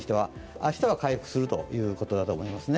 明日は回復するということだと思いますね。